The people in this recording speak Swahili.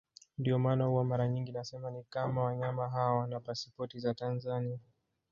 Ndio maana huwa mara nyingi nasema ni kama wanyama hawa wana pasipoti za Tanzania